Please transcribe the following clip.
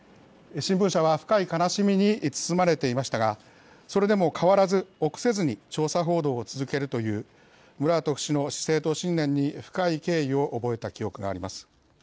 新聞社は深い悲しみに包まれていましたがそれでも変わらず臆せずに調査報道を続けるというムラートフ氏の姿勢と信念に深い敬意を覚えた記憶があります。